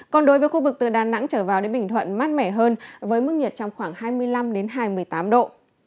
còn đối với khu vực từ đà nẵng trở vào đến bình thuận mát mẻ hơn với mức nhiệt trong khoảng hai mươi năm hai mươi tám độ